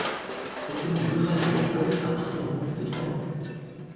Cette commune rurale et viticole appartient au canton des Trois Monts.